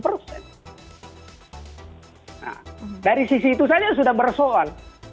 berarti sudah bersoal